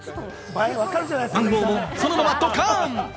マンゴーもそのままドカン！